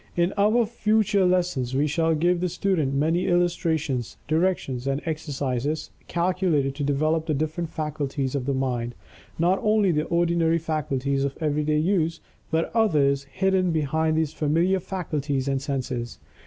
In our future lessons we shall give the student many illustrations, directions, and exercises calculated to develop the different faculties of the mind not only the ordinary faculties of everyday use, but others hidden behind these familiar faculties and senses.